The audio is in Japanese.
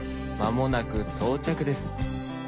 まもなく到着です。